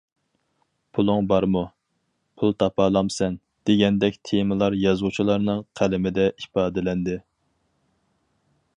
پۇلۇڭ بارمۇ، پۇل تاپالامسەن؟ دېگەندەك تېمىلار يازغۇچىلارنىڭ قەلىمىدە ئىپادىلەندى.